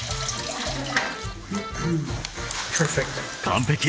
完璧！